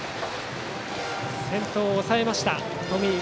先頭を抑えました、冨井。